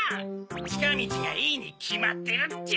ちかみちがいいにきまってるっちゃ！